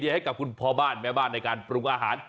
ให้กับคุณพ่อบ้านแม่บ้านในการปรุงอาหาร